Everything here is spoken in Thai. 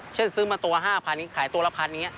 ซื้อมาตัว๕๐๐ขายตัวละ๑๐๐อย่างนี้